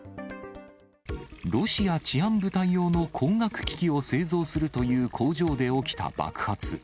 ロシア治安部隊用の光学機器を製造するという工場で起きた爆発。